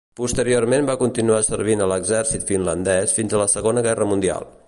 Posteriorment va continuar servint a l'exèrcit finlandès fins a la Segona Guerra Mundial.